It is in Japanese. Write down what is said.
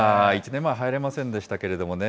１年前は入れませんでしたけどね。